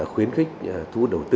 khuyến khích thu đầu tư